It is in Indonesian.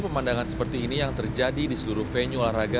pemandangan seperti ini yang terjadi di seluruh venue olahraga